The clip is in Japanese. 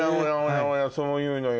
そういうのよ